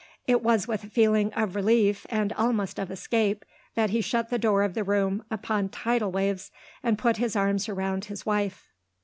It was with a feeling of relief, and almost of escape, that he shut the door of the room upon tidal waves and put his arms around his wife.